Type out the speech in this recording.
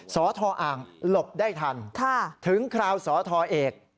สทอ่างหลบได้ทันถึงคราวสทเอก